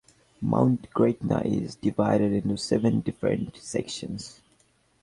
Mount Gretna is divided into seven different sections.